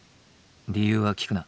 理由は聞くな。